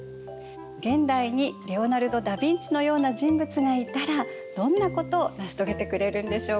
現代にレオナルド・ダ・ヴィンチのような人物がいたらどんなことを成し遂げてくれるんでしょうか。